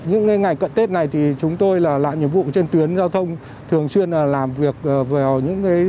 những ngày cận tết này thì chúng tôi là lại nhiệm vụ trên tuyến giao thông thường xuyên làm việc vào những buổi tối khuya